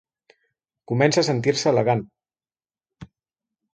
Comença a sentir-se elegant.